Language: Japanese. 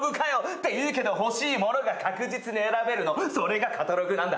ていうけど欲しい物が確実に選べるの、それがカタログなんだ。